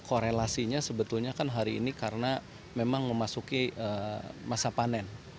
nah korelasinya sebetulnya kan hari ini karena memang memasuki masa panen